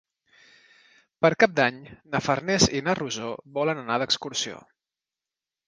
Per Cap d'Any na Farners i na Rosó volen anar d'excursió.